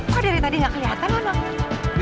kok dari tadi gak kelihatan anak anaknya